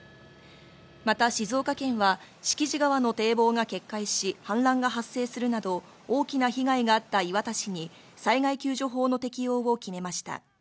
また静岡県は、敷地川の堤防が決壊し、氾濫が発生するなど、大きな被害があった磐田市に、災害救助法の適用を決めました。